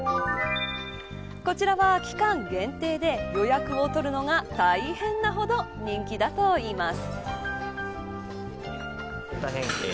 こちらは期間限定で予約を取るのが大変なほど人気だといいます。